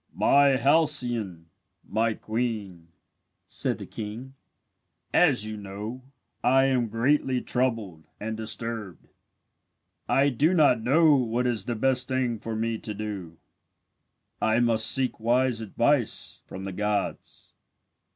"My Halcyone my queen," said the king, "as you know, I am greatly troubled and disturbed. I do not know what is the best thing for me to do. I must seek wise advice from the gods."